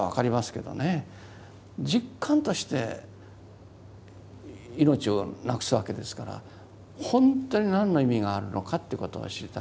実感として命を亡くすわけですから本当に何の意味があるのかっていうことを知りたかった。